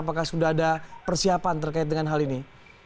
apakah sudah ada persiapan terkait dengan hal ini